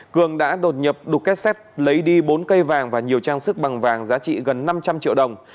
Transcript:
cường đã đột nhập đục kết sắt lấy đi bốn cây vàng và nhiều trang sức bằng vàng giá trị gần năm trăm linh triệu đồng